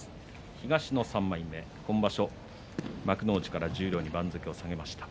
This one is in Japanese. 東の３枚目、今場所幕内から十両に番付を下げました。